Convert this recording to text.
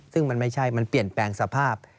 ซึ่งมันไม่ใช่มันเปลี่ยนแปลงสภาพ